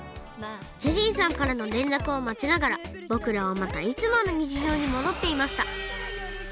ジェリーさんからのれんらくをまちながらぼくらはまたいつものにちじょうにもどっていました。